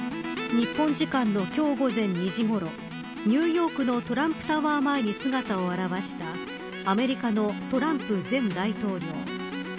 日本時間の今日午前２時ごろニューヨークのトランプタワー前に姿を現したアメリカのトランプ前大統領。